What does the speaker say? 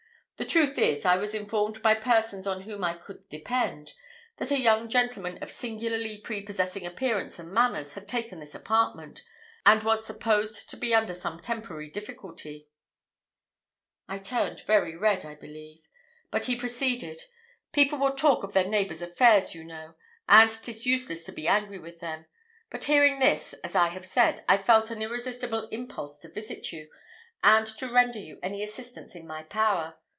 The truth is, I was informed by persons on whom I could depend, that a young gentleman of singularly prepossessing appearance and manners had taken this apartment, and was supposed to be under some temporary difficulty." I turned very red, I believe; but he proceeded. "People will talk of their neighbours' affairs, you know; and 'tis useless to be angry with them but hearing this, as I have said, I felt an irresistible impulse to visit you, and to render you any assistance in my power.